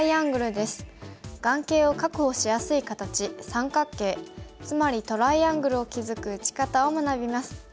眼形を確保しやすい形三角形つまりトライアングルを築く打ち方を学びます。